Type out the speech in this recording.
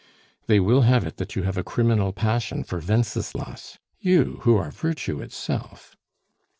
"They will have it that you have a criminal passion for Wenceslas you, who are virtue itself."